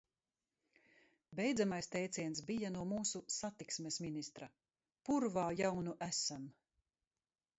Beidzamais teiciens bija no mūsu satiksmes ministra: purvā jau nu esam!